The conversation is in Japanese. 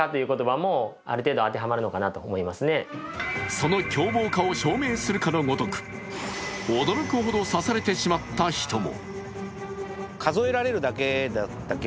その狂暴化を証明するかのごとく驚くほど刺されてしまった人も。